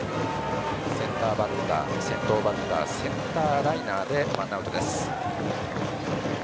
先頭バッターセンターライナーでワンアウト。